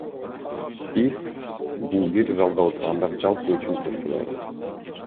Биз, бул бир залда отургандар жалпы иш үчүн күрөшкө даярбыз.